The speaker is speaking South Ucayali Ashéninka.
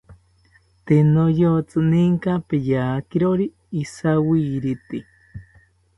Tee niyotzi ninka peyakirori ijawirite